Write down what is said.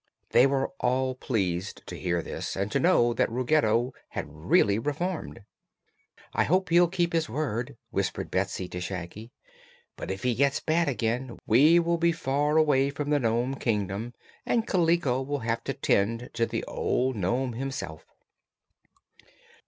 They were all pleased to hear this and to know that Ruggedo had really reformed. "I hope he'll keep his word," whispered Betsy to Shaggy; "but if he gets bad again we will be far away from the Nome Kingdom and Kaliko will have to 'tend to the old nome himself."